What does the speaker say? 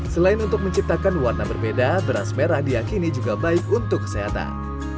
selain untuk menciptakan warna berbeda beras merah diakini juga baik untuk kesehatan